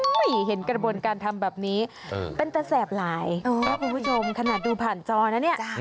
เห็นกระบวนการทำแบบนี้เป็นแต่แสบหลายคุณผู้ชมขนาดดูผ่านจอนะเนี่ย